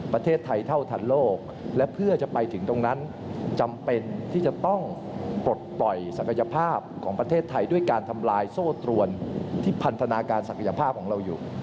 ประเทศไทยเท่าทันโลกและเพื่อจะไปถึงตรงนั้นจำเป็นที่จะต้องปลดปล่อยศักยภาพของประเทศไทยด้วยการทำลายโซ่ตรวนที่พันธนาการศักยภาพของเราอยู่